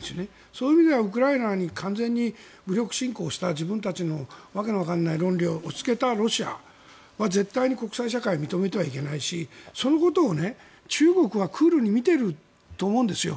そういう意味ではウクライナに完全に武力侵攻して完全に自分たちの訳のわからない論理を押しつけたロシアを国際社会は認めてはいけないし中国はクールに見ていると思うんですよ。